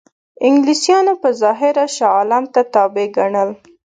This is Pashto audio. انګلیسانو په ظاهره شاه عالم ته تابع ګڼل.